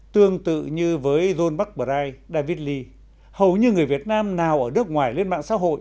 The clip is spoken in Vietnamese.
tương tự như với john barkbraide david lee hầu như người việt nam nào ở nước ngoài lên mạng xã hội